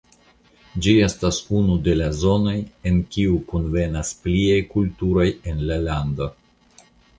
Ĝi estas unu de la zonoj en kiu kunvenas pliaj kulturoj en la lando.